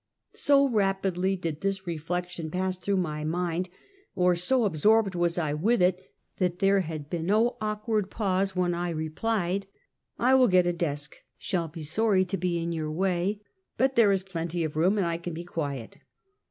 So rapidly did tliis reflection pass through my mind, or so absorbed was I with it, that there had been no awkward pause when I replied: " I will get a desk, shall be sorry to be in your way, but there is plenty of room and I can be quiet."